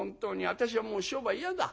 私はもう商売嫌だ。